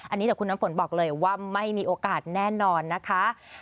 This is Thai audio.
อันนี้แต่คุณน้ำฝนบอกเลยว่าไม่มีโอกาสแน่นอนนะคะ